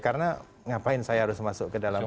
karena ngapain saya harus masuk ke dalam